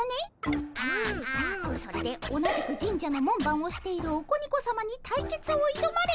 それで同じく神社の門番をしているオコニコさまに対決をいどまれると。